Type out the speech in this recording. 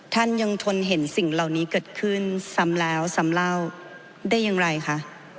ท่านยังทนเห็นสิ่งเหล่านี้เกิดขึ้นซ้ำแล้วซ้ำเล่าได้อย่างไรคะ